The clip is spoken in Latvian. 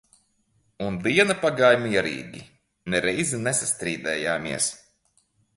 Un diena pagāja mierīgi, ne reizi nestrīdējāmies.